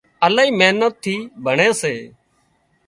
الاهي محنت ٿِي ڀڻي سي